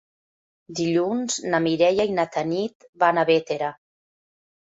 Dilluns na Mireia i na Tanit van a Bétera.